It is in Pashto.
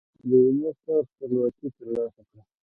د وينز ښار خپلواکي ترلاسه کړه.